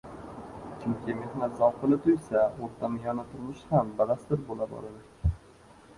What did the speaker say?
• Kimki samarali mehnat zavqini tuysa, o‘rtamiyona turmushi ham badastir bo‘la boradi.